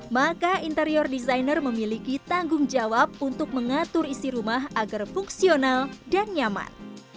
maka interior designer memiliki tanggung jawab untuk mengatur isi rumah agar fungsional dan nyaman